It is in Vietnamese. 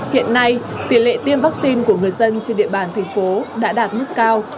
hiện nay tỷ lệ tiêm vaccine của người dân trên địa bàn thành phố đã đạt mức cao